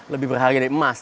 lebih berharga dari emas